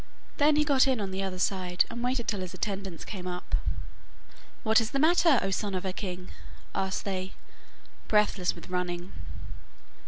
Then he got in on the other side, and waited till his attendants came up. 'What is the matter, O son of a king?' asked they, breathless with running.